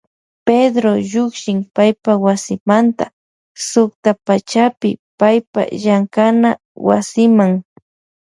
Pedró llukshin paypa wasimanta suktapachapi paypa llankana wasiman.